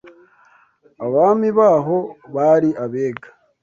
Abami baho, bari Abega